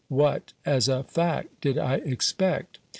What, as a fact, did I expect